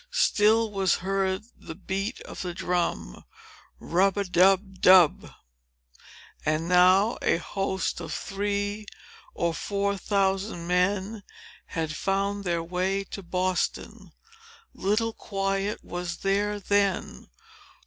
Still was heard the beat of the drum—rub a dub dub!—and now a host of three or four thousand men had found their way to Boston. Little quiet was there then!